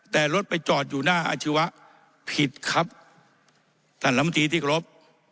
แต่รถไปจอดอยู่หน้าอาชีวะผิดครับท่านลำตีที่ครบ